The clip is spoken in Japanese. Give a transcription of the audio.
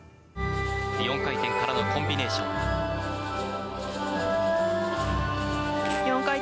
４回転からのコンビネーション。